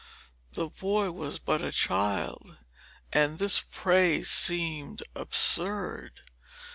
The boy was but a child, and this praise seemed absurd.